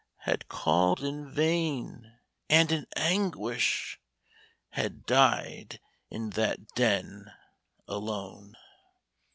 — Had called in vain, and in anguish Had died in that den — alone.